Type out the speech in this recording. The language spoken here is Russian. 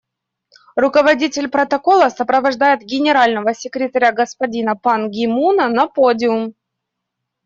Руководитель протокола сопровождает Генерального секретаря господина Пан Ги Муна на подиум.